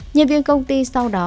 nhân viên công ty sau đó